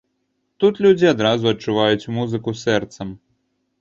Тут людзі адразу адчуваюць музыку сэрцам.